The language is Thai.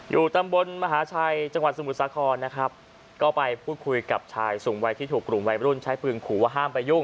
อยู่ตำบลมหาชัยจังหวัดสมุทรสาครนะครับก็ไปพูดคุยกับชายสูงวัยที่ถูกกลุ่มวัยรุ่นใช้ปืนขู่ว่าห้ามไปยุ่ง